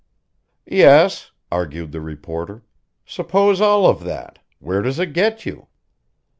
"Yes," argued the reporter. "Suppose all of that. Where does it get you?"